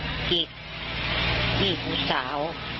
เพราะไม่เคยถามลูกสาวนะว่าไปทำธุรกิจแบบไหนอะไรยังไง